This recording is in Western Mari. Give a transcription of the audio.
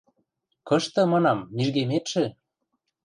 Кышты, манам, мижгеметшӹ?